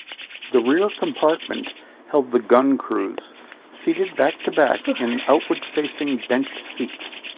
The rear compartment held the gun crews, seated back-to-back in outward-facing bench seats.